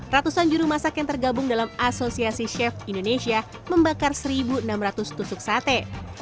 ratusan juru masak yang tergabung dalam asosiasi chef indonesia membakar satu enam ratus tusuk sate